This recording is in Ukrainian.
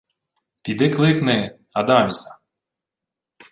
— Піди кликни... Адаміса.